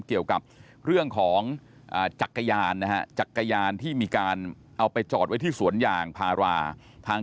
เกี่ยวกับเรื่องของจักรยานนะฮะจักรยานที่มีการเอาไปจอดไว้ที่สวนยางพาราทาง